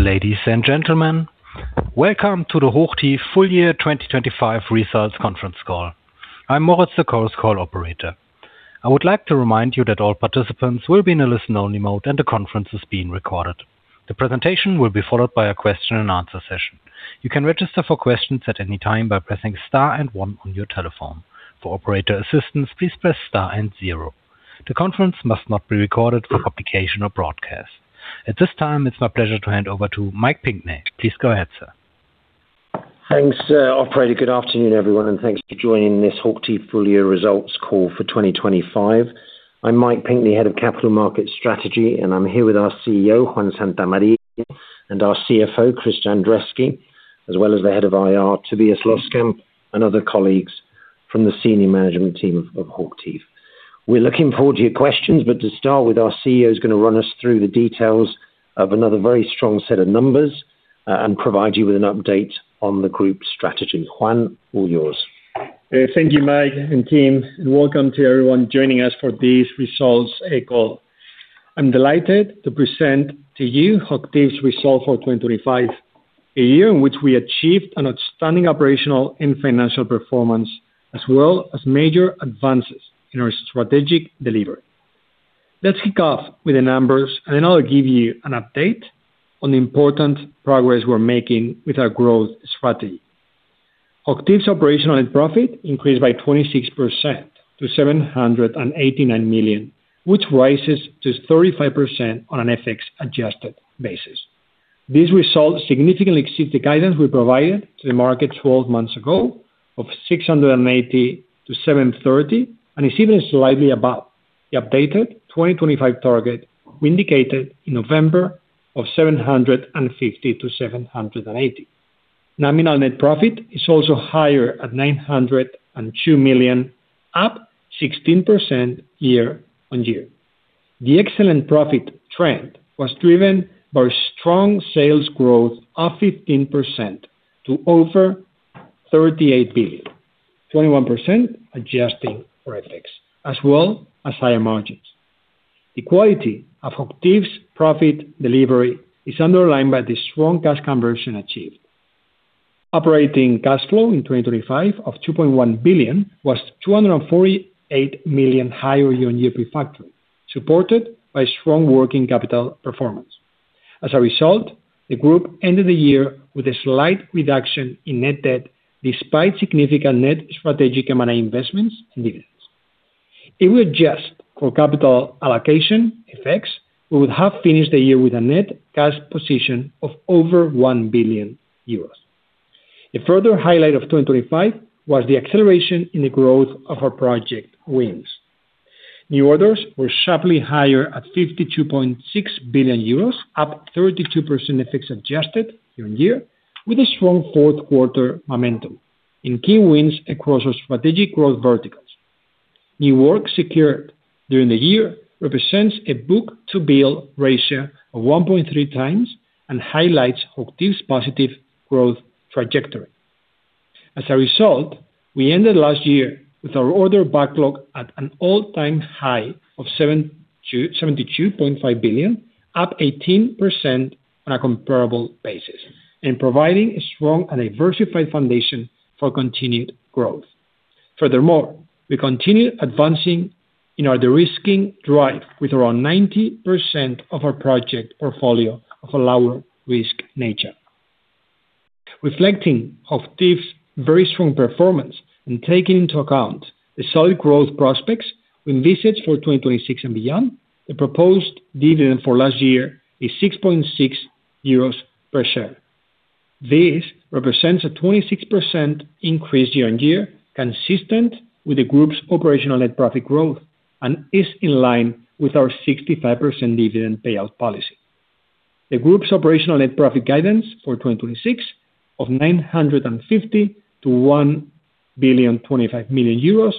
Ladies and gentlemen, welcome to the HOCHTIEF Full Year 2025 Results conference call. I'm Moritz, the conference call operator. I would like to remind you that all participants will be in a listen-only mode, and the conference is being recorded. The presentation will be followed by a question and answer session. You can register for questions at any time by pressing star and one on your telephone. For operator assistance, please press star and zero. The conference must not be recorded for publication or broadcast. At this time, it's my pleasure to hand over to Mike Pinkney. Please go ahead, sir. Thanks, operator. Good afternoon, everyone, and thanks for joining this HOCHTIEF Full Year Results call for 2025. I'm Mike Pinkney, Head of Capital Markets Strategy, and I'm here with our CEO, Juan Santamaría, and our CFO, Christa Andresky, as well as the Head of IR, Tobias Loskamp, and other colleagues from the senior management team of HOCHTIEF. We're looking forward to your questions, but to start with, our CEO is going to run us through the details of another very strong set of numbers, and provide you with an update on the group's strategy. Juan, all yours. Thank you, Mike and team, and welcome to everyone joining us for this results call. I'm delighted to present to you HOCHTIEF's results for 2025, a year in which we achieved an outstanding operational and financial performance, as well as major advances in our strategic delivery. Let's kick off with the numbers, and then I'll give you an update on the important progress we're making with our growth strategy. HOCHTIEF's operational profit increased by 26% to 789 million, which rises to 35% on an FX-adjusted basis. These results significantly exceed the guidance we provided to the market twelve months ago of 680 million-730 million, and is even slightly above the updated 2025 target we indicated in November of 750 million-780 million. Nominal net profit is also higher at 902 million, up 16% year-on-year. The excellent profit trend was driven by strong sales growth of 15% to over 38 billion, 21% adjusting for FX, as well as higher margins. The quality of HOCHTIEF's profit delivery is underlined by the strong cash conversion achieved. Operating cash flow in 2025 of 2.1 billion was 248 million higher year-on-year pre-factor, supported by strong working capital performance. As a result, the group ended the year with a slight reduction in net debt, despite significant net strategic M&A investments and dividends. If we adjust for capital allocation effects, we would have finished the year with a net cash position of over 1 billion euros. A further highlight of 2025 was the acceleration in the growth of our project wins. New orders were sharply higher at 52.6 billion euros, up 32% FX-adjusted year-on-year, with a strong fourth quarter momentum in key wins across our strategic growth verticals. New work secured during the year represents a book-to-bill ratio of 1.3x and highlights HOCHTIEF's positive growth trajectory. As a result, we ended last year with our order backlog at an all-time high of 72.5 billion, up 18% on a comparable basis and providing a strong and diversified foundation for continued growth. Furthermore, we continue advancing in our de-risking drive with around 90% of our project portfolio of a lower-risk nature. Reflecting HOCHTIEF's very strong performance and taking into account the solid growth prospects we envisage for 2026 and beyond, the proposed dividend for last year is 6.6 euros per share. This represents a 26% increase year-on-year, consistent with the group's operational net profit growth, and is in line with our 65% dividend payout policy. The group's operational net profit guidance for 2026 of 950 million-1,025 million euros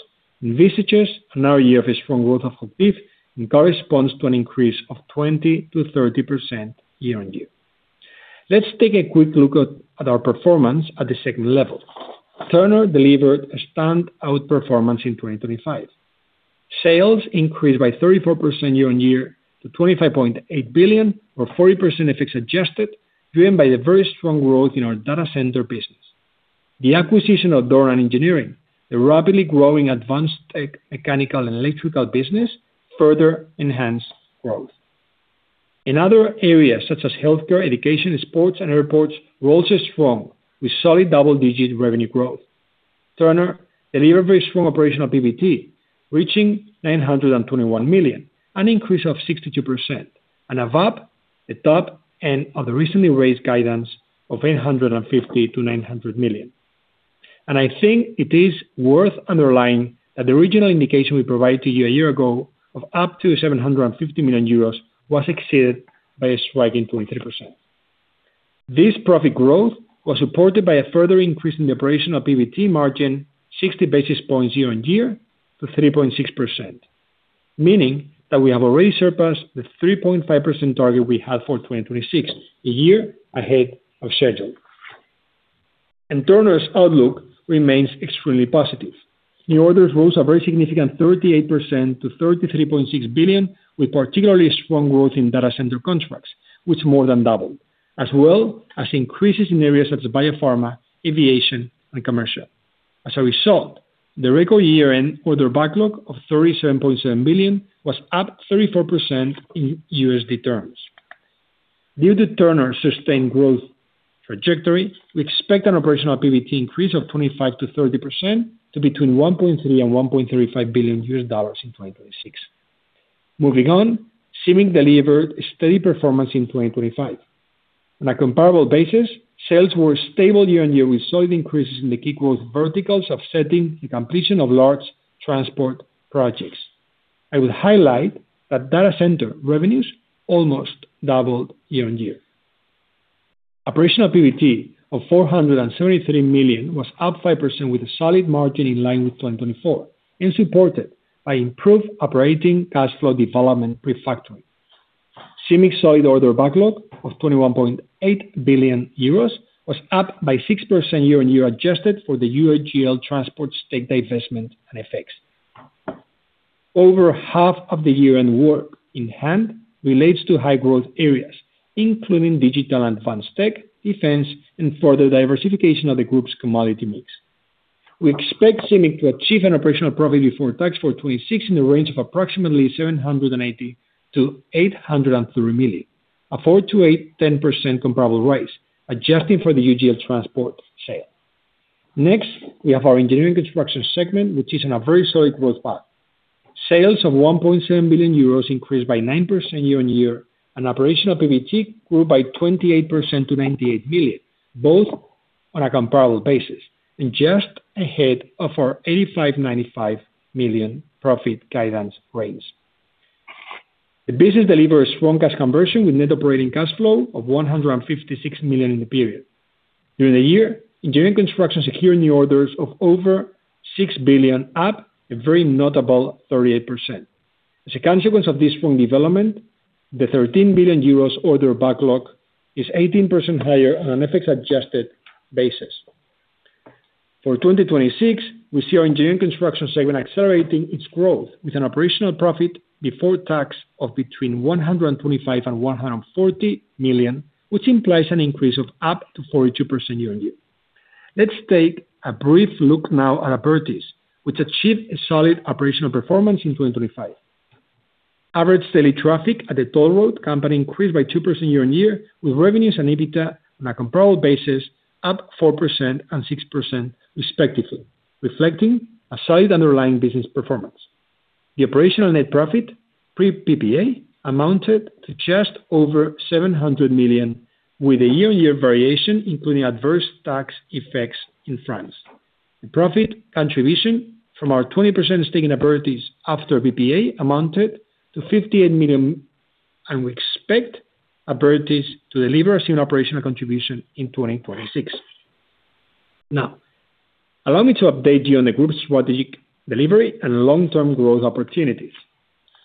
envisages another year of a strong growth of HOCHTIEF and corresponds to an increase of 20%-30% year-on-year. Let's take a quick look at our performance at the segment level. Turner delivered a standout performance in 2025. Sales increased by 34% year-on-year to $25.8 billion, or 40% FX-adjusted, driven by the very strong growth in our data center business. The acquisition of Dornan Engineering, the rapidly growing advanced tech, mechanical and electrical business, further enhanced growth. In other areas such as healthcare, education, sports, and airports, growth is strong, with solid double-digit revenue growth. Turner delivered very strong operational PBT, reaching 921 million, an increase of 62%, and above the top end of the recently raised guidance of 850 million-900 million. And I think it is worth underlining that the original indication we provided to you a year ago of up to 750 million euros was exceeded by a striking 23%. This profit growth was supported by a further increase in the operational PBT margin, 60 basis points year on year to 3.6%, meaning that we have already surpassed the 3.5% target we had for 2026, a year ahead of schedule... and Turner's outlook remains extremely positive. New orders rose a very significant 38% to 33.6 billion, with particularly strong growth in data center contracts, which more than doubled, as well as increases in areas such as biopharma, aviation, and commercial. As a result, the record year-end order backlog of $37.7 billion was up 34% in USD terms. Due to Turner's sustained growth trajectory, we expect an operational PBT increase of 25%-30% to between $1.3 billion and $1.35 billion in 2026. Moving on, CIMIC delivered a steady performance in 2025. On a comparable basis, sales were stable year-on-year, with solid increases in the key growth verticals, offsetting the completion of large transport projects. I would highlight that data center revenues almost doubled year-on-year. Operational PBT of 473 million was up 5% with a solid margin in line with 2024 and supported by improved operating cash flow development pre-factor. CIMIC's solid order backlog of 21.8 billion euros was up by 6% year-on-year, adjusted for the UGL Transport stake divestment and effects. Over half of the year-end work in hand relates to high-growth areas, including digital and advanced tech, defense, and further diversification of the group's commodity mix. We expect CIMIC to achieve an operational profit before tax for 2026 in the range of approximately 780 million-830 million, a 4%-10% comparable rise, adjusting for the UGL transport sale. Next, we have our engineering construction segment, which is on a very solid growth path. Sales of 1.7 billion euros increased by 9% year-on-year, and operational PBT grew by 28% to 98 million, both on a comparable basis and just ahead of our 85-95 million profit guidance range. The business delivered a strong cash conversion with net operating cash flow of 156 million in the period. During the year, engineering construction secured new orders of over 6 billion, up a very notable 38%. As a consequence of this strong development, the 13 billion euros order backlog is 18% higher on an FX-adjusted basis. For 2026, we see our engineering construction segment accelerating its growth with an operational profit before tax of between 125 million and 140 million, which implies an increase of up to 42% year-on-year. Let's take a brief look now at Abertis, which achieved a solid operational performance in 2025. Average daily traffic at the toll road company increased by 2% year-on-year, with revenues and EBITDA on a comparable basis, up 4% and 6% respectively, reflecting a solid underlying business performance. The operational net profit, pre PPA, amounted to just over 700 million, with a year-on-year variation, including adverse tax effects in France. The profit contribution from our 20% stake in Abertis after PPA amounted to 58 million, and we expect Abertis to deliver a significant operational contribution in 2026. Now, allow me to update you on the group's strategic delivery and long-term growth opportunities.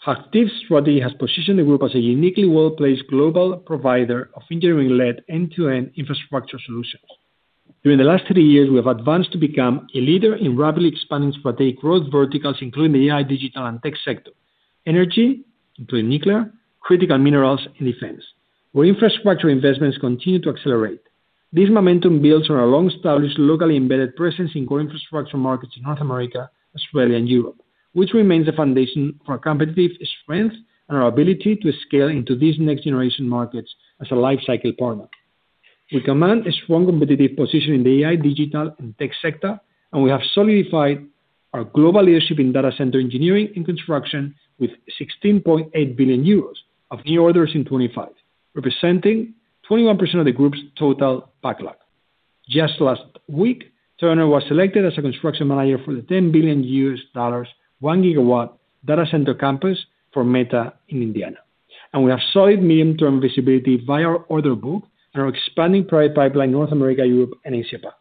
HOCHTIEF Strategy has positioned the group as a uniquely well-placed global provider of engineering-led, end-to-end infrastructure solutions. During the last three years, we have advanced to become a leader in rapidly expanding strategic growth verticals, including the AI, digital, and tech sector, energy, including nuclear, critical minerals, and defense, where infrastructure investments continue to accelerate. This momentum builds on our long-established, locally embedded presence in core infrastructure markets in North America, Australia, and Europe, which remains the foundation for our competitive strength and our ability to scale into these next-generation markets as a life-cycle partner. We command a strong competitive position in the AI, digital, and tech sector, and we have solidified our global leadership in data center engineering and construction with 16.8 billion euros of new orders in 2025, representing 21% of the group's total backlog. Just last week, Turner was selected as a construction manager for the $10 billion, 1 GW data center campus for Meta in Indiana, and we have solid medium-term visibility via our order book and our expanding private pipeline, North America, Europe, and AsiaPac.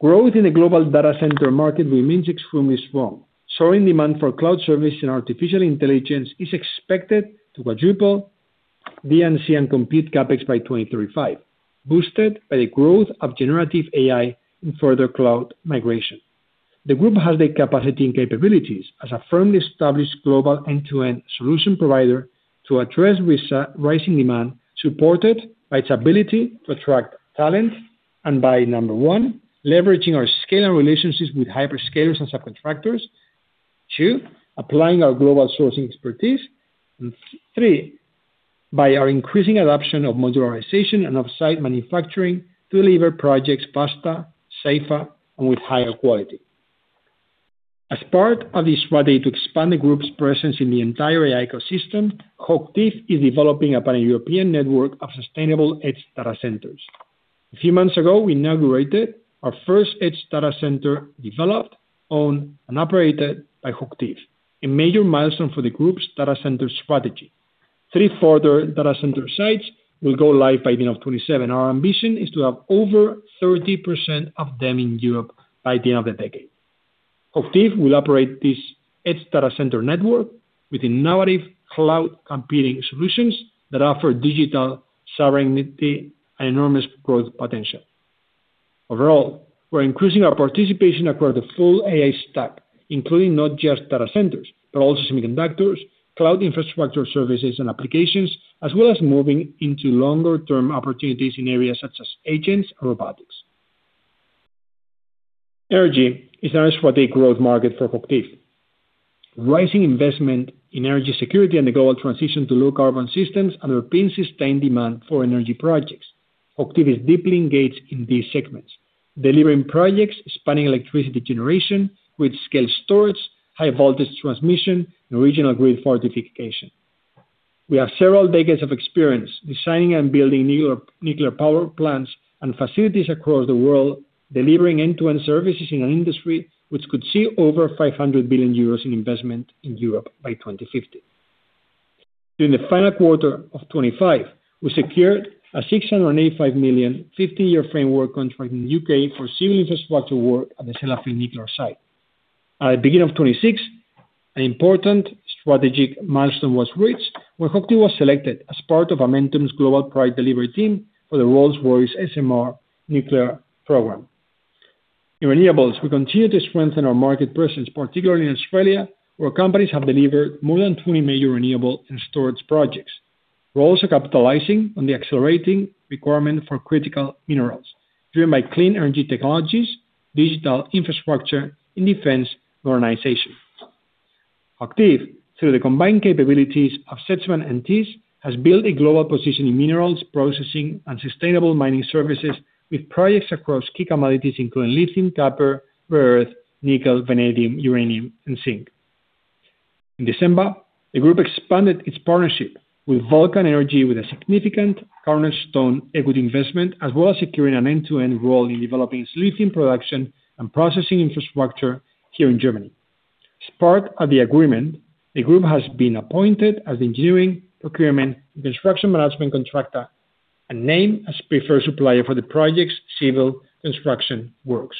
Growth in the global data center market, we mean is strong. Soaring demand for cloud service and artificial intelligence is expected to quadruple D&C and complete CapEx by 2035, boosted by the growth of generative AI and further cloud migration. The group has the capacity and capabilities as a firmly established global end-to-end solution provider to address this rising demand, supported by its ability to attract talent and by, number 1, leveraging our scale and relationships with hyperscalers and subcontractors. Two, applying our global sourcing expertise. And three, by our increasing adoption of modularization and off-site manufacturing to deliver projects faster, safer, and with higher quality. As part of the strategy to expand the group's presence in the entire AI ecosystem, HOCHTIEF is developing a pan-European network of sustainable edge data centers. A few months ago, we inaugurated our first edge data center developed, owned, and operated by HOCHTIEF, a major milestone for the group's data center strategy. Three further data center sites will go live by the end of 2027. Our ambition is to have over 30% of them in Europe by the end of the decade. HOCHTIEF will operate this edge data center network with innovative cloud computing solutions that offer digital sovereignty and enormous growth potential. Overall, we're increasing our participation across the full AI stack, including not just data centers, but also semiconductors, cloud infrastructure services, and applications, as well as moving into longer term opportunities in areas such as agents and robotics. Energy is our strategic growth market for HOCHTIEF. Rising investment in energy security and the global transition to low carbon systems and European sustained demand for energy projects. HOCHTIEF is deeply engaged in these segments, delivering projects, spanning electricity generation, grid-scale storage, high voltage transmission, and regional grid fortification. We have several decades of experience designing and building nuclear, nuclear power plants and facilities across the world, delivering end-to-end services in an industry which could see over 500 billion euros in investment in Europe by 2050. During the final quarter of 2025, we secured a 685 million 50-year framework contract in the U.K. for civil infrastructure work at the Sellafield nuclear site. At the beginning of 2026, an important strategic milestone was reached, where HOCHTIEF was selected as part of Amentum's global project delivery team for the Rolls-Royce SMR nuclear program. In renewables, we continue to strengthen our market presence, particularly in Australia, where companies have delivered more than 20 major renewable and storage projects. We're also capitalizing on the accelerating requirement for critical minerals, driven by clean energy technologies, digital infrastructure, and defense organization. HOCHTIEF, through the combined capabilities of Sedgman and Thiess, has built a global position in minerals, processing, and sustainable mining services, with projects across key commodities, including lithium, copper, rare earth, nickel, vanadium, uranium, and zinc. In December, the group expanded its partnership with Vulcan Energy with a significant cornerstone equity investment, as well as securing an end-to-end role in developing its lithium production and processing infrastructure here in Germany. As part of the agreement, the group has been appointed as the engineering, procurement, and construction management contractor, and named as preferred supplier for the project's civil construction works.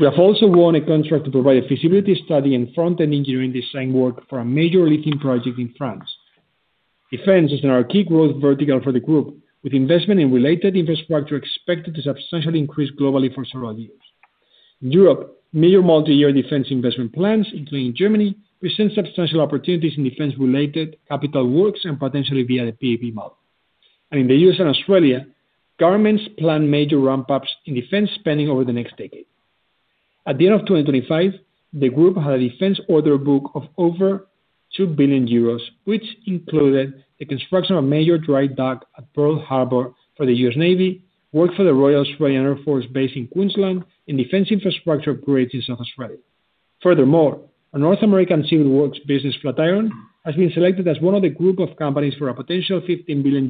We have also won a contract to provide a feasibility study and front-end engineering design work for a major lithium project in France. Defense is another key growth vertical for the group, with investment in related infrastructure expected to substantially increase globally for several years. In Europe, major multi-year defense investment plans, including Germany, present substantial opportunities in defense-related capital works and potentially via the PPP model. And in the U.S. and Australia, governments plan major ramp-ups in defense spending over the next decade. At the end of 2025, the group had a defense order book of over 2 billion euros, which included the construction of a major dry dock at Pearl Harbor for the U.S. Navy, work for the Royal Australian Air Force Base in Queensland, and defense infrastructure upgrades in South Australia. Furthermore, a North American civil works business, Flatiron, has been selected as one of the group of companies for a potential $15 billion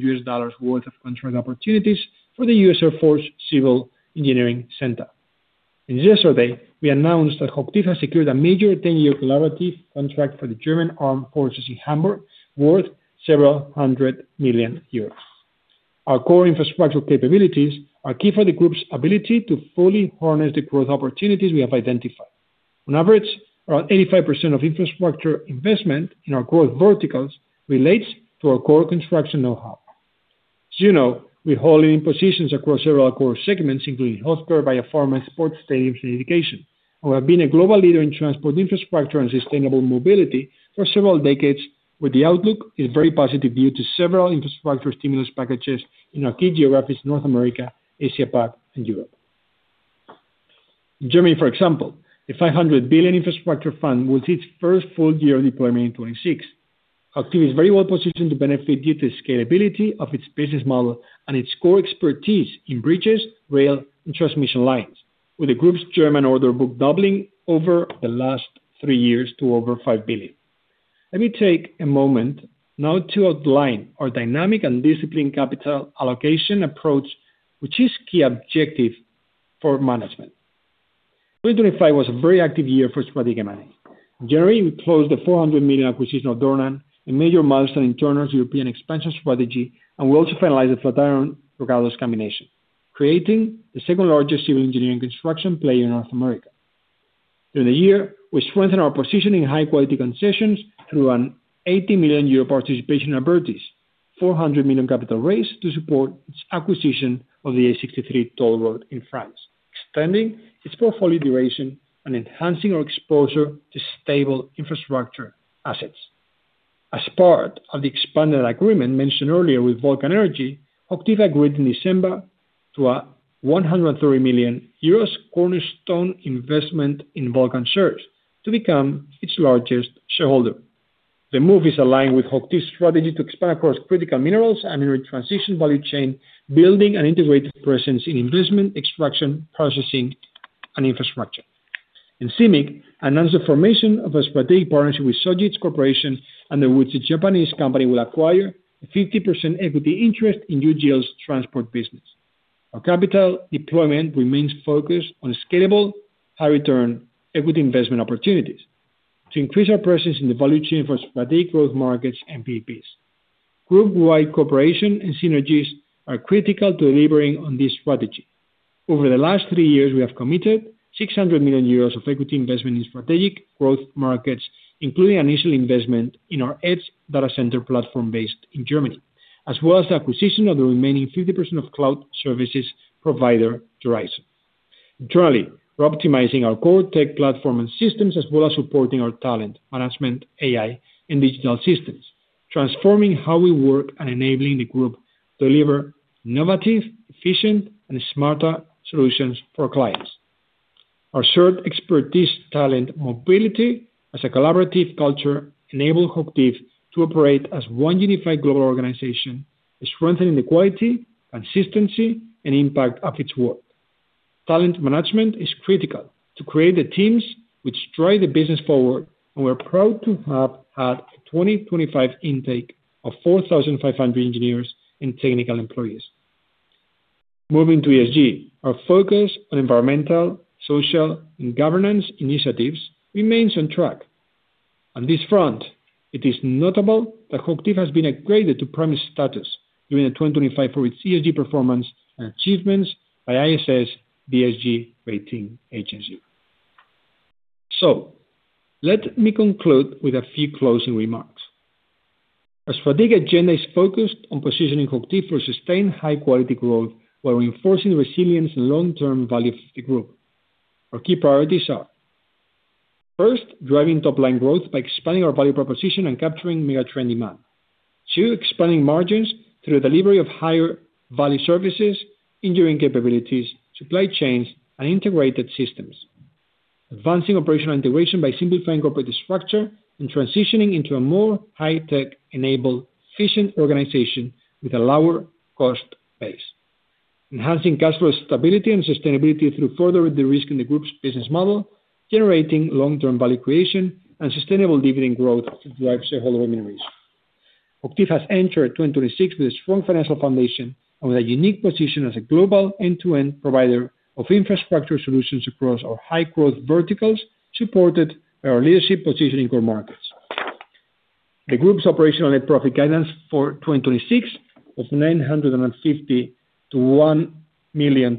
worth of contract opportunities for the U.S. Air Force Civil Engineering Center. And yesterday, we announced that HOCHTIEF has secured a major 10-year collaborative contract for the German Armed Forces in Hamburg, worth several hundred million EUR. Our core infrastructure capabilities are key for the group's ability to fully harness the growth opportunities we have identified. On average, around 85% of infrastructure investment in our growth verticals relates to our core construction know-how. As you know, we're holding positions across several core segments, including healthcare, biopharma, sports stadiums, and education, and we have been a global leader in transport infrastructure and sustainable mobility for several decades, with the outlook is very positive due to several infrastructure stimulus packages in our key geographies, North America, Asia-Pac, and Europe. Germany, for example, the 500 billion infrastructure fund, with its first full year of deployment in 2026. HOCHTIEF is very well positioned to benefit due to the scalability of its business model and its core expertise in bridges, rail, and transmission lines, with the group's German order book doubling over the last three years to over 5 billion. Let me take a moment now to outline our dynamic and disciplined capital allocation approach, which is key objective for management. 2025 was a very active year for strategic management. In January, we closed the 400 million acquisition of Dornan, a major milestone in Turner's European expansion strategy, and we also finalized the FlatironDragados combination, creating the second-largest civil engineering construction player in North America. During the year, we strengthened our position in high-quality concessions through an 80 million euro participation in Abertis, 400 million capital raise to support its acquisition of the A63 toll road in France, extending its portfolio duration and enhancing our exposure to stable infrastructure assets. As part of the expanded agreement mentioned earlier with Vulcan Energy, HOCHTIEF agreed in December to a 130 million euros cornerstone investment in Vulcan shares to become its largest shareholder. The move is aligned with HOCHTIEF's strategy to expand across critical minerals and energy transition value chain, building an integrated presence in investment, extraction, processing, and infrastructure. CIMIC announced the formation of a strategic partnership with Sojitz Corporation, under which the Japanese company will acquire a 50% equity interest in UGL's transport business. Our capital deployment remains focused on scalable, high return equity investment opportunities to increase our presence in the value chain for strategic growth markets and PEPs.... Group-wide cooperation and synergies are critical to delivering on this strategy. Over the last 3 years, we have committed 600 million euros of equity investment in strategic growth markets, including initial investment in our edge data center platform based in Germany, as well as the acquisition of the remaining 50% of cloud services provider, Horizon. Internally, we're optimizing our core tech platform and systems, as well as supporting our talent, management, AI, and digital systems, transforming how we work and enabling the group to deliver innovative, efficient, and smarter solutions for our clients. Our third expertise, talent mobility as a collaborative culture, enable HOCHTIEF to operate as one unified global organization, strengthening the quality, consistency, and impact of its work. Talent management is critical to create the teams which drive the business forward, and we're proud to have had a 2025 intake of 4,500 engineers and technical employees. Moving to ESG, our focus on environmental, social, and governance initiatives remains on track. On this front, it is notable that HOCHTIEF has been upgraded to prime status during the 2025 for its ESG performance and achievements by ISS ESG rating agency. So let me conclude with a few closing remarks. Our strategic agenda is focused on positioning HOCHTIEF for sustained high quality growth while reinforcing resilience and long-term value of the group. Our key priorities are: first, driving top line growth by expanding our value proposition and capturing mega trend demand. Two, expanding margins through the delivery of higher value services, engineering capabilities, supply chains, and integrated systems. Advancing operational integration by simplifying corporate structure and transitioning into a more high-tech enabled, efficient organization with a lower cost base. Enhancing cash flow stability and sustainability through further de-risking the group's business model, generating long-term value creation and sustainable dividend growth to drive shareholder value. HOCHTIEF has entered 2026 with a strong financial foundation and with a unique position as a global end-to-end provider of infrastructure solutions across our high growth verticals, supported by our leadership position in core markets. The group's operational net profit guidance for 2026 of 950 million-1,025 million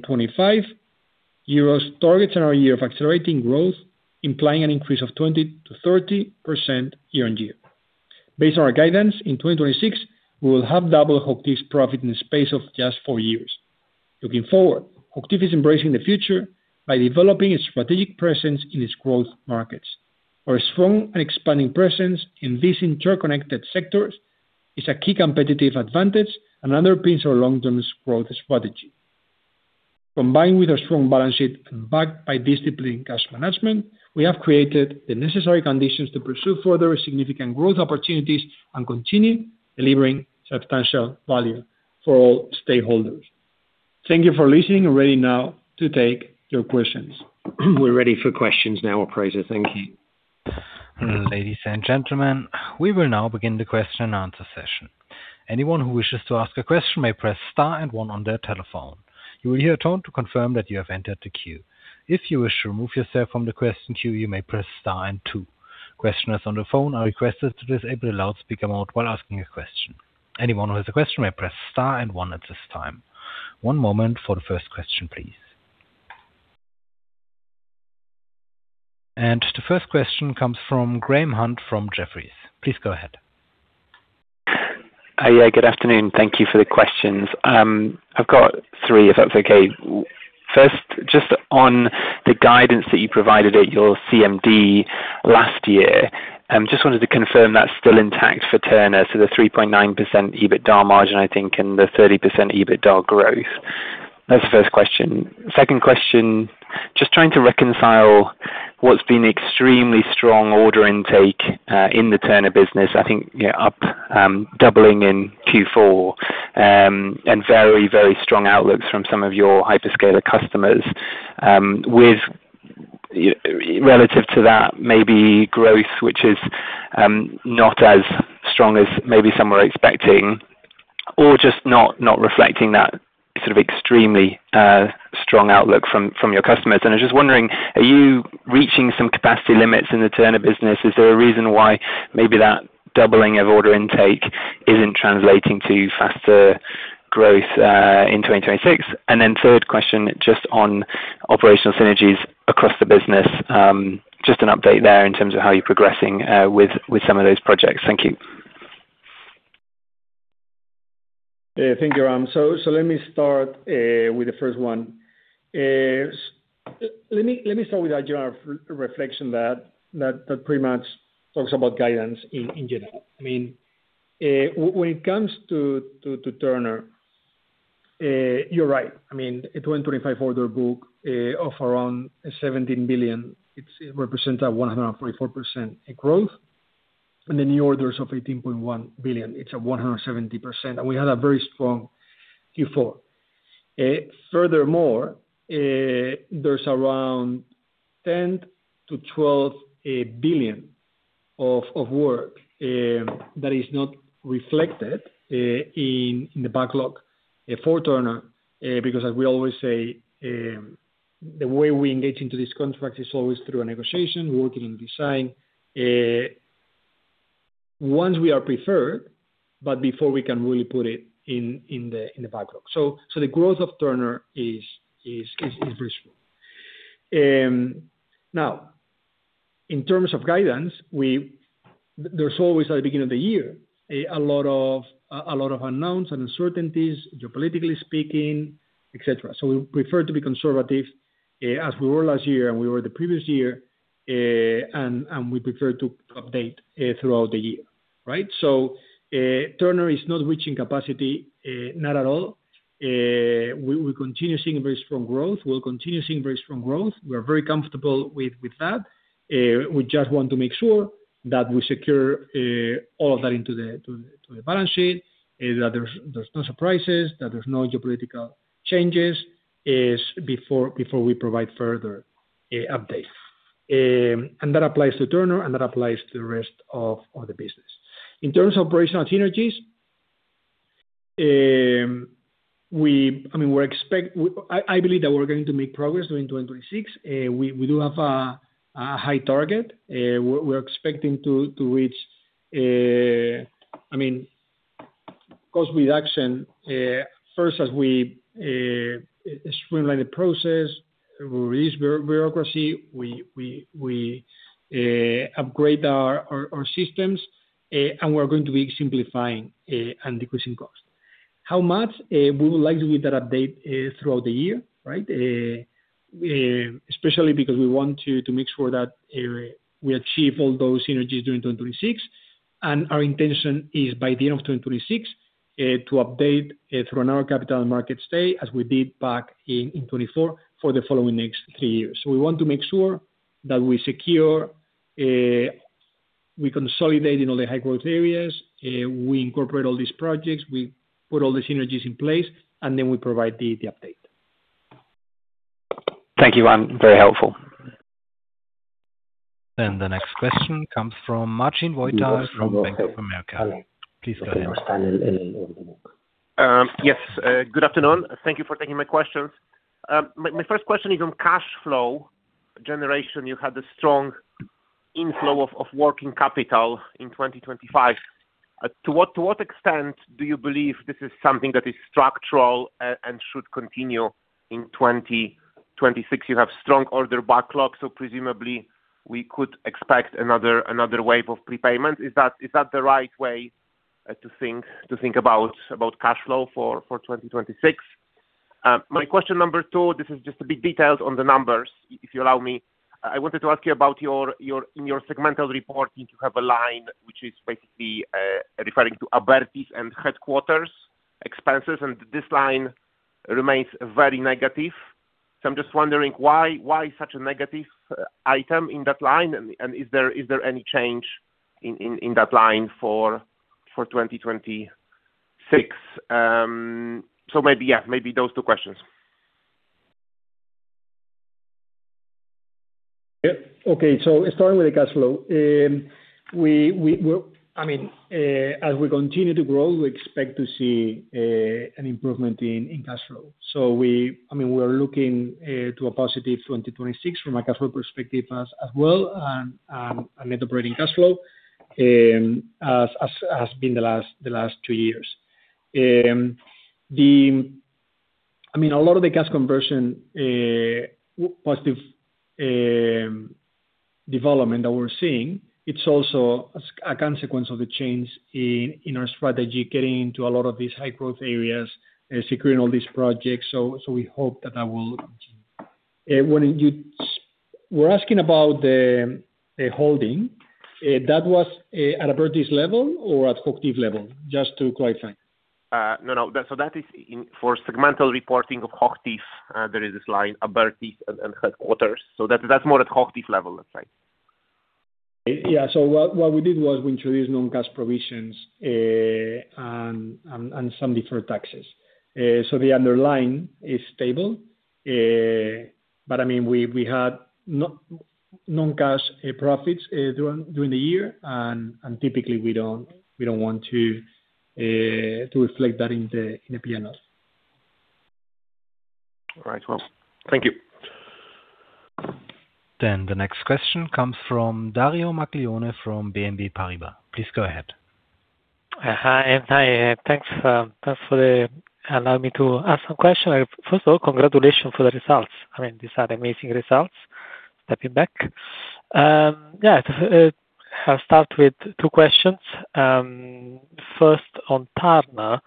euros targets another year of accelerating growth, implying an increase of 20%-30% year-on-year. Based on our guidance, in 2026, we will have double HOCHTIEF's profit in the space of just four years. Looking forward, HOCHTIEF is embracing the future by developing a strategic presence in its growth markets. Our strong and expanding presence in these interconnected sectors is a key competitive advantage and underpins our long-term growth strategy. Combined with our strong balance sheet and backed by disciplined cash management, we have created the necessary conditions to pursue further significant growth opportunities and continue delivering substantial value for all stakeholders. Thank you for listening. I'm ready now to take your questions. We're ready for questions now, operator. Thank you. Ladies and gentlemen, we will now begin the question and answer session. Anyone who wishes to ask a question may press star and one on their telephone. You will hear a tone to confirm that you have entered the queue. If you wish to remove yourself from the question queue, you may press star and two. Questioners on the phone are requested to disable the loudspeaker mode while asking a question. Anyone who has a question may press star and one at this time. One moment for the first question, please. And the first question comes from Graham Hunt from Jefferies. Please go ahead. Hi. Yeah, good afternoon. Thank you for the questions. I've got three, if that's okay. First, just on the guidance that you provided at your CMD last year, just wanted to confirm that's still intact for Turner. So the 3.9% EBITDA margin, I think, and the 30% EBITDA growth. That's the first question. Second question, just trying to reconcile what's been extremely strong order intake in the Turner business. I think, you know, up, doubling in Q4, and very, very strong outlooks from some of your hyperscaler customers with relative to that, maybe growth, which is not as strong as maybe some were expecting, or just not reflecting that sort of extremely strong outlook from your customers. And I'm just wondering, are you reaching some capacity limits in the Turner business? Is there a reason why maybe that doubling of order intake isn't translating to faster growth in 2026? And then third question, just on operational synergies across the business, just an update there in terms of how you're progressing with some of those projects. Thank you. Thank you, Graham. So, let me start with the first one. Let me start with a general reflection that pretty much talks about guidance in general. I mean, when it comes to Turner, you're right. I mean, the 2025 order book of around $17 billion, it's, it represents a 144% growth, and the new orders of $18.1 billion, it's a 170%, and we had a very strong Q4. Furthermore, there's around $10 billion-$12 billion of work that is not reflected in the backlog. As for Turner, because as we always say, the way we engage into this contract is always through a negotiation, working in design, once we are preferred, but before we can really put it in the backlog. So the growth of Turner is very strong. Now, in terms of guidance, there's always at the beginning of the year, a lot of unknowns and uncertainties, geopolitically speaking, et cetera. So we prefer to be conservative, as we were last year, and we were the previous year, and we prefer to update throughout the year. Right? So Turner is not reaching capacity, not at all. We continue seeing very strong growth. We'll continue seeing very strong growth. We are very comfortable with that. We just want to make sure that we secure all of that into the balance sheet so that there's no surprises, that there's no geopolitical changes before we provide further updates. And that applies to Turner, and that applies to the rest of the business. In terms of operational synergies, I mean, I believe that we're going to make progress during 2026. We do have a high target. We're expecting to reach, I mean, cost reduction first, as we streamline the process, we reduce bureaucracy, we upgrade our systems, and we're going to be simplifying and decreasing costs. How much? We would like to give that update throughout the year, right? especially because we want to, to make sure that, we achieve all those synergies during 2026, and our intention is by the end of 2026, to update, through our capital markets day, as we did back in, in 2024, for the following next three years. So we want to make sure that we secure, we consolidate in all the high-growth areas, we incorporate all these projects, we put all the synergies in place, and then we provide the, the update. Thank you, Juan. Very helpful. The next question comes from Martin Wojtal from Bank of America. Please go ahead. Yes, good afternoon. Thank you for taking my questions. My, my first question is on cash flow generation. You had a strong inflow of working capital in 2025. To what extent do you believe this is something that is structural, and should continue in 2026? You have strong order backlogs, so presumably we could expect another, another wave of prepayment. Is that the right way to think about cash flow for 2026? My question number two, this is just a bit detailed on the numbers, if you allow me. I wanted to ask you about your in your segmental reporting, you have a line which is basically referring to Abertis and headquarters expenses, and this line remains very negative. So I'm just wondering why such a negative item in that line? Is there any change in that line for 2026? So maybe, yeah, maybe those two questions. Yeah. Okay. So starting with the cash flow, we will—I mean, as we continue to grow, we expect to see an improvement in cash flow. So we—I mean, we are looking to a positive 2026 from a cash flow perspective as well, and a net operating cash flow as has been the last two years. I mean, a lot of the cash conversion positive development that we're seeing, it's also as a consequence of the change in our strategy, getting into a lot of these high-growth areas, securing all these projects. So we hope that that will continue. When you were asking about the holding, that was at Abertis level or at HOCHTIEF level? Just to clarify. No, no. So that is in for segmental reporting of HOCHTIEF. There is this line, Abertis and, and headquarters. So that's, that's more at HOCHTIEF level, let's say. Yeah. So what we did was we introduced non-cash provisions and some deferred taxes. So the underlying is stable, but I mean, we had non-cash profits during the year, and typically we don't want to reflect that in the P&L. All right. Well, thank you. Then the next question comes from Dario Maglione from BNP Paribas. Please go ahead. Hi, hi. Thanks, thanks for allowing me to ask some questions. First of all, congratulations for the results. I mean, these are amazing results. Stepping back. Yeah, I'll start with 2 questions. First, on Turner,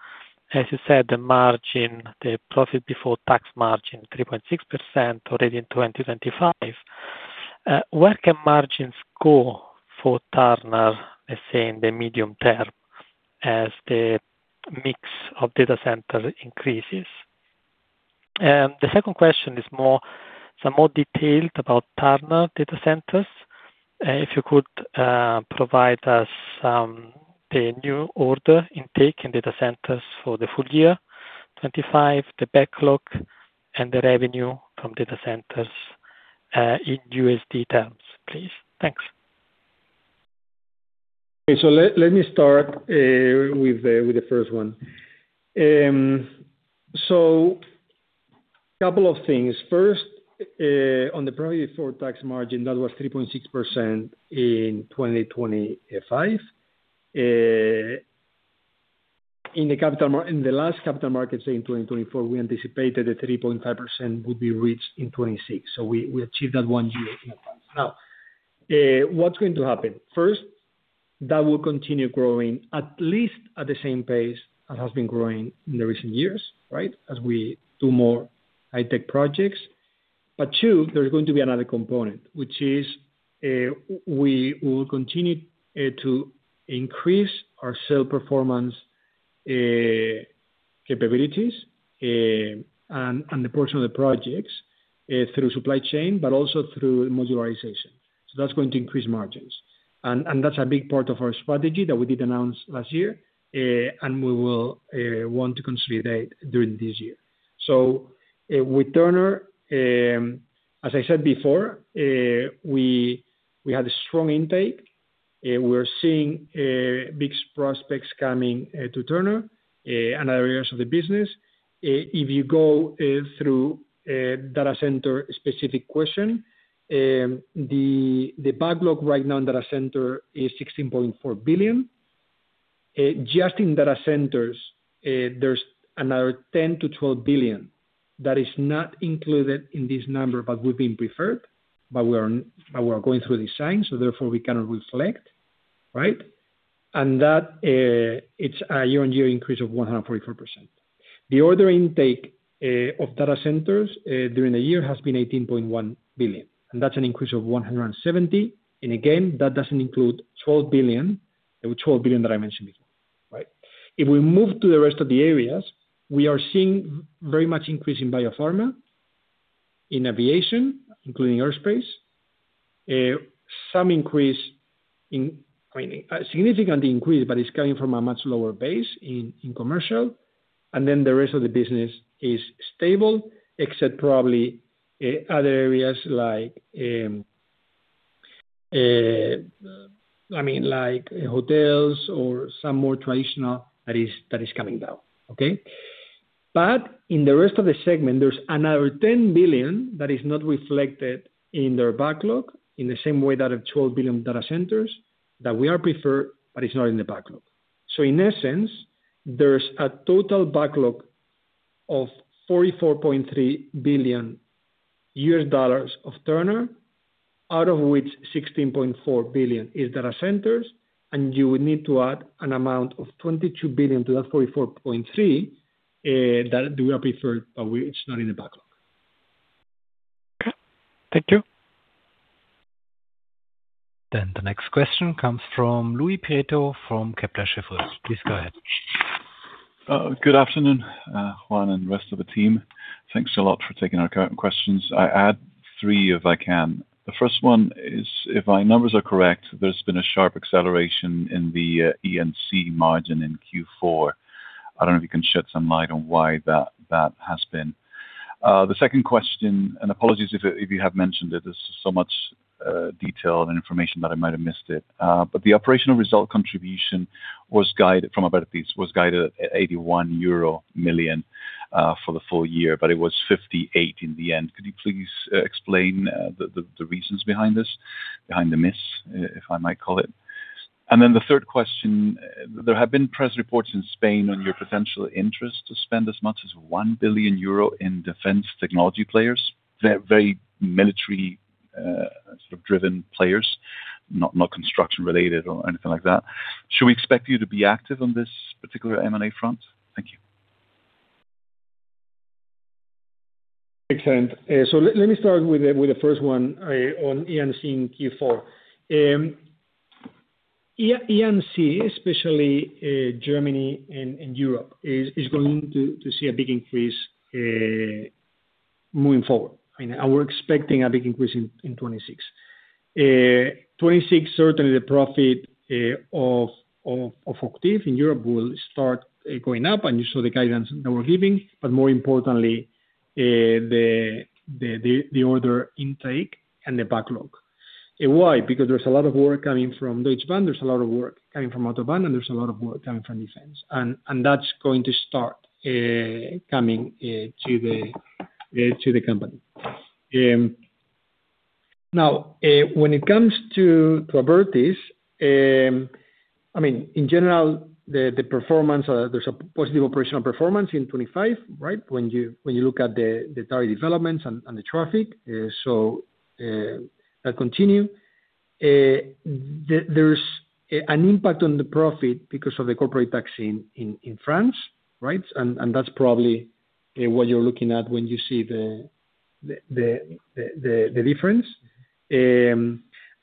as you said, the margin, the profit before tax margin, 3.6%, already in 2025. Where can margins go for Turner, let's say, in the medium term, as the mix of data center increases? The second question is more, some more detailed about Turner data centers. If you could provide us some, the new order intake in data centers for the full year 2025, the backlog and the revenue from data centers, in USD terms, please. Thanks. Okay, so let me start with the first one. So couple of things. First, on the profit before tax margin, that was 3.6% in 2025. In the last capital markets in 2024, we anticipated a 3.5% would be reached in 2026. So we achieved that one year in advance. Now, what's going to happen? First, that will continue growing at least at the same pace as has been growing in the recent years, right? As we do more high-tech projects. But two, there's going to be another component, which is, we will continue to increase our self-performance capabilities, and the portion of the projects through supply chain, but also through modularization. So that's going to increase margins. That's a big part of our strategy that we did announce last year, and we will want to consolidate during this year. With Turner, as I said before, we had a strong intake, we're seeing big prospects coming to Turner, and other areas of the business. If you go through data center specific question, the backlog right now in data center is $16.4 billion. Just in data centers, there's another $10 billion-$12 billion that is not included in this number, but we've been preferred, but we are going through the same, so therefore, we cannot reflect, right? And that, it's a year-on-year increase of 144%. The order intake of data centers during the year has been 18.1 billion, and that's an increase of 170%. And again, that doesn't include 12 billion, the 12 billion that I mentioned before, right? If we move to the rest of the areas, we are seeing very much increase in biopharma, in aviation, including aerospace, some increase in... I mean, a significantly increase, but it's coming from a much lower base in, in commercial, and then the rest of the business is stable, except probably, other areas like, I mean, like hotels or some more traditional that is, that is coming down. Okay? But in the rest of the segment, there's another $10 billion that is not reflected in their backlog in the same way that have $12 billion data centers, that we are preferred, but it's not in the backlog. So in essence, there's a total backlog of $44.3 billion of Turner, out of which $16.4 billion is data centers, and you would need to add an amount of $22 billion to that $44.3 billion, that we are preferred, but it's not in the backlog. Okay. Thank you. Then the next question comes from Luis Prieto from Kepler Cheuvreux. Please go ahead. Good afternoon, Juan and the rest of the team. Thanks a lot for taking our current questions. I add three, if I can. The first one is, if my numbers are correct, there's been a sharp acceleration in the ENC margin in Q4. I don't know if you can shed some light on why that has been. The second question, and apologies if you have mentioned it, there's so much detail and information that I might have missed it. But the operational result contribution was guided at 81 million euro for the full year, but it was 58 million in the end. Could you please explain the reasons behind this, behind the miss, if I might call it? The third question, there have been press reports in Spain on your potential interest to spend as much as 1 billion euro in defense technology players. They're very military, sort of driven players, not, not construction related or anything like that. Should we expect you to be active on this particular M&A front? Thank you. Excellent. So let me start with the first one on ENC in Q4. ENC, especially Germany and Europe, is going to see a big increase moving forward. I mean, and we're expecting a big increase in 2026. 2026, certainly the profit of HOCHTIEF in Europe will start going up, and you saw the guidance that we're giving, but more importantly, the order intake and the backlog. And why? Because there's a lot of work coming from Deutsche Bahn, there's a lot of work coming from Autobahn, and there's a lot of work coming from defense, and that's going to start coming to the company. Now, when it comes to Abertis, I mean, in general, the performance, there's a positive operational performance in 2025, right? When you look at the target developments and the traffic, so that continues. There's an impact on the profit because of the corporate tax in France, right? And that's probably what you're looking at when you see the difference.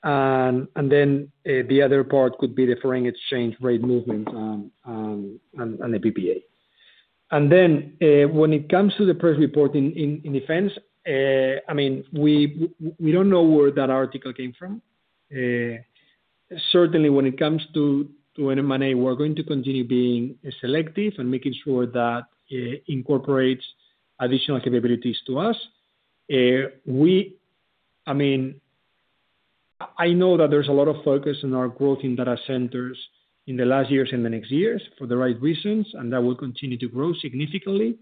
And then the other part could be the foreign exchange rate movement on the PPA. And then, when it comes to the press report in defense, I mean, we don't know where that article came from. Certainly, when it comes to an M&A, we're going to continue being selective and making sure that incorporates additional capabilities to us. I mean, I know that there's a lot of focus on our growth in data centers in the last years and the next years for the right reasons, and that will continue to grow significantly.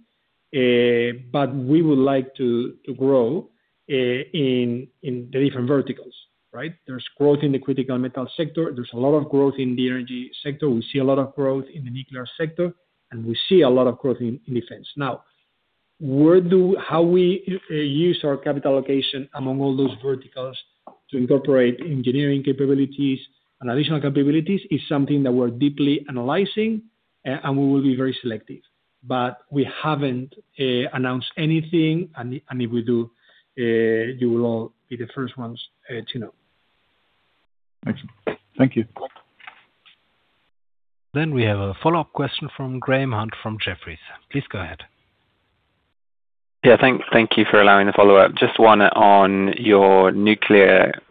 But we would like to grow in the different verticals, right? There's growth in the critical metal sector. There's a lot of growth in the energy sector. We see a lot of growth in the nuclear sector, and we see a lot of growth in defense. Now, how we use our capital allocation among all those verticals to incorporate engineering capabilities and additional capabilities is something that we're deeply analyzing, and we will be very selective. But we haven't announced anything, and if we do, you will all be the first ones to know. Excellent. Thank you. We have a follow-up question from Graham Hunt from Jefferies. Please go ahead. Yeah, thank you for allowing the follow-up. Just one on your nuclear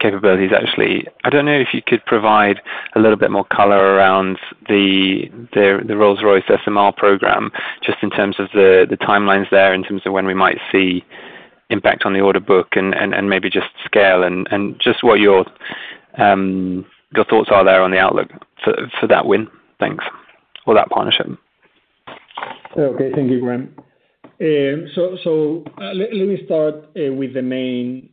capabilities, actually. I don't know if you could provide a little bit more color around the Rolls-Royce SMR program, just in terms of the timelines there, in terms of when we might see impact on the order book and maybe just scale and just what your thoughts are there on the outlook for that win. Thanks. Or that partnership. Okay, thank you, Graham. So, let me start with the main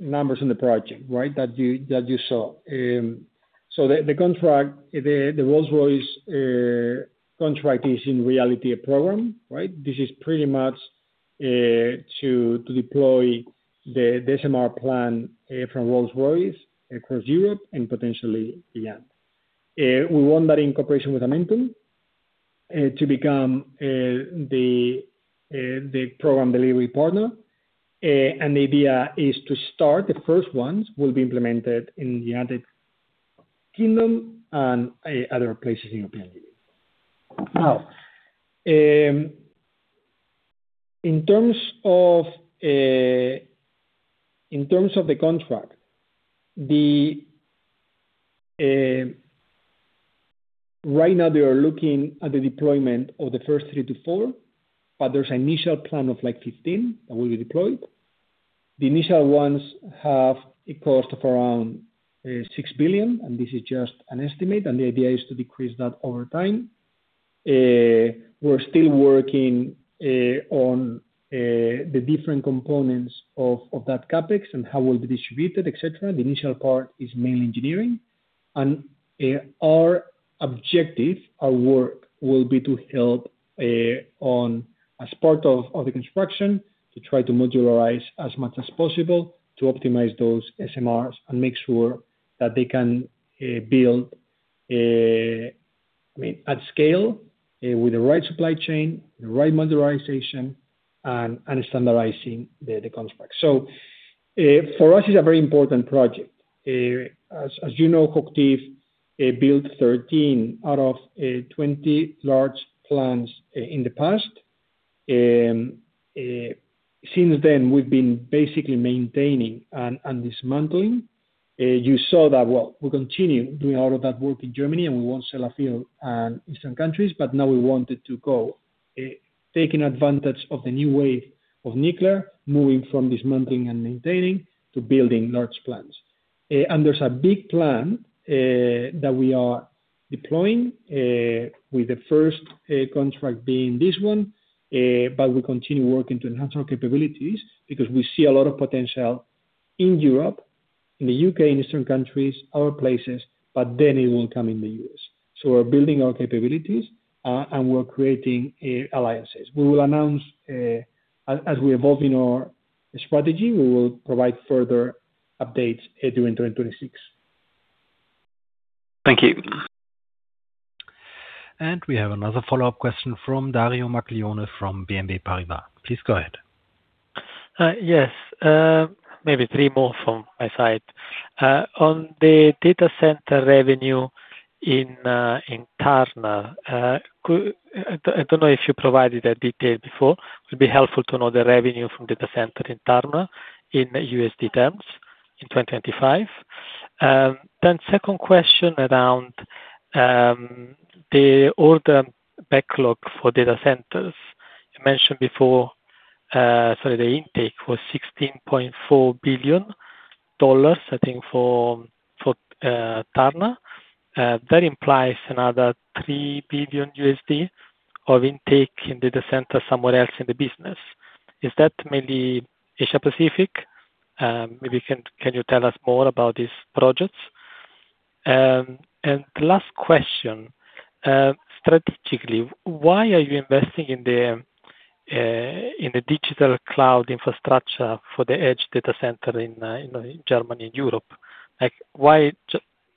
numbers in the project, right? That you saw. So the contract, the Rolls-Royce contract is in reality a program, right? This is pretty much to deploy the SMR plant from Rolls-Royce across Europe and potentially beyond. We won that in cooperation with Amentum to become the program delivery partner. And the idea is to start, the first ones will be implemented in the United Kingdom and other places in European Union. Now, in terms of the contract... Right now, they are looking at the deployment of the first three to four, but there's initial plan of like 15 that will be deployed. The initial ones have a cost of around 6 billion, and this is just an estimate, and the idea is to decrease that over time. We're still working on the different components of that CapEx and how it will be distributed, etc. The initial part is mainly engineering. Our objective, our work, will be to help, as part of the construction, to try to modularize as much as possible to optimize those SMRs and make sure that they can build, I mean, at scale, with the right supply chain, the right modularization, and standardizing the contract. So, for us, it's a very important project. As you know, HOCHTIEF built 13 out of 20 large plants in the past. Since then, we've been basically maintaining and dismantling. You saw that, well, we continue doing all of that work in Germany, and we won Sellafield and eastern countries, but now we wanted to go, taking advantage of the new wave of nuclear, moving from dismantling and maintaining to building large plants. And there's a big plan that we are deploying, with the first contract being this one, but we continue working to enhance our capabilities because we see a lot of potential in Europe, in the U.K., in eastern countries, other places, but then it will come in the U.S. So we're building our capabilities, and we're creating alliances. We will announce, as we evolve in our strategy, we will provide further updates during 2026. Thank you. We have another follow-up question from Dario Maglione from BNP Paribas. Please go ahead. Yes, maybe three more from my side. On the data center revenue in Turner, I don't know if you provided a detail before, it would be helpful to know the revenue from data center in Turner in USD terms in 2025. Then second question around the order backlog for data centers. You mentioned before, sorry, the intake was $16.4 billion, I think for Turner. That implies another $3 billion of intake in data center somewhere else in the business. Is that mainly Asia-Pacific? Maybe can you tell us more about these projects? And the last question, strategically, why are you investing in the digital cloud infrastructure for the edge data center in Germany and Europe? Like, why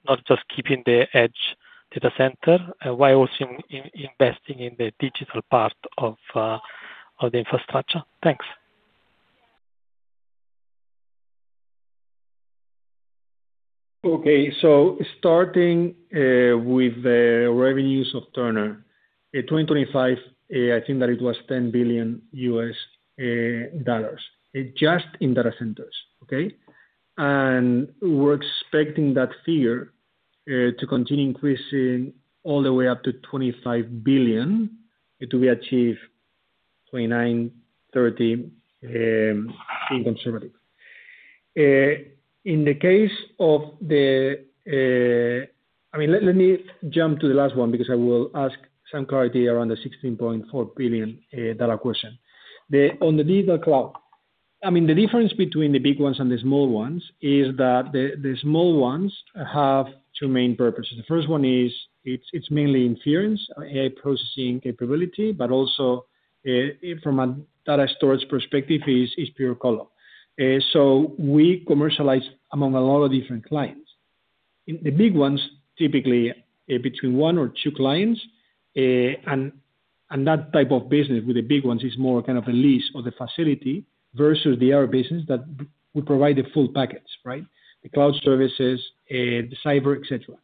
not just keeping the edge data center, and why also investing in the digital part of the infrastructure? Thanks. Okay. So starting with the revenues of Turner, in 2025, I think that it was $10 billion, just in data centers. Okay? And we're expecting that figure to continue increasing all the way up to $25 billion, it will be achieved 2029, 2030, being conservative. In the case of the, I mean, let me jump to the last one because I will ask some clarity around the $16.4 billion dollar question. On the digital cloud, I mean, the difference between the big ones and the small ones is that the small ones have two main purposes. The first one is, it's mainly inference processing capability, but also from a data storage perspective, is pure colocation. So we commercialize among a lot of different clients. In the big ones, typically, between one or two clients, and that type of business with the big ones is more kind of a lease of the facility versus the other business that we provide the full package, right? The cloud services, the cyber, et cetera.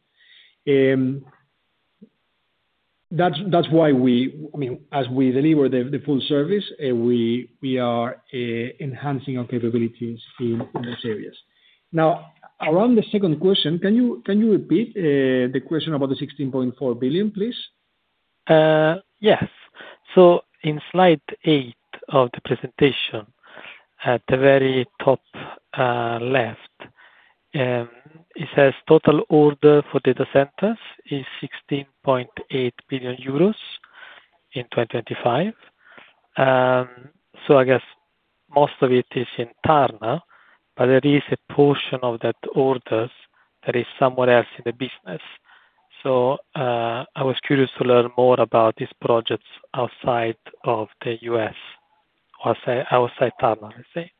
That's why we—I mean, as we deliver the full service, we are enhancing our capabilities in those areas. Now, around the second question, can you repeat the question about the 16.4 billion, please? Yes. So in slide 8 of the presentation, at the very top, left, it says total order for data centers is 16.8 billion euros in 2025. So I guess most of it is in Turner, but there is a portion of that orders that is somewhere else in the business. So, I was curious to learn more about these projects outside of the U.S., or say, outside Turner, let's say.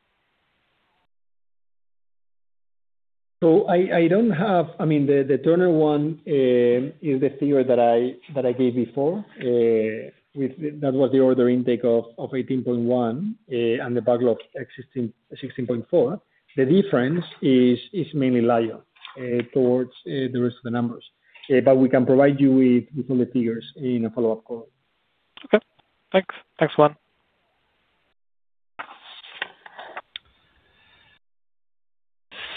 I don't have-- I mean, the Turner one is the figure that I gave before, that was the order intake of 18.1, and the backlog existing 16.4. The difference is mainly liar towards the rest of the numbers. We can provide you with all the figures in a follow-up call. Okay. Thanks. Thanks a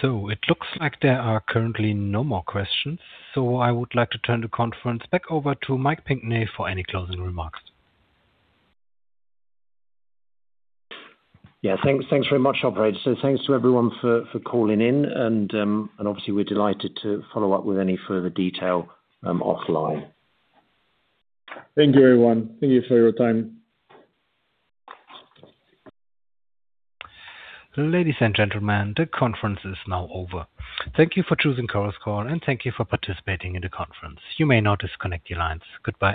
lot. It looks like there are currently no more questions, so I would like to turn the conference back over to Mike Pinkney for any closing remarks. Yeah, thanks, thanks very much, operator. So thanks to everyone for calling in, and obviously we're delighted to follow-up with any further detail offline. Thank you, everyone. Thank you for your time. Ladies and gentlemen, the conference is now over. Thank you for choosing Chorus Call, and thank you for participating in the conference. You may now disconnect your lines. Goodbye.